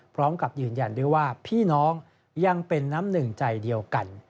พร้อมกับยืนยันด้วยว่าพี่น้องยังเป็นน้ำหนึ่งใจเดียวกัน